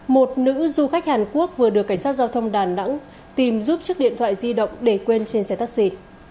một nữ du khách hàn quốc vừa được cảnh sát giao thông đà nẵng tìm giúp chiếc điện thoại di động để quên trên xe taxi